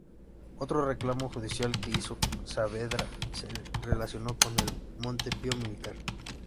Otro reclamo judicial que hizo Saavedra se relacionó con el Monte Pío militar.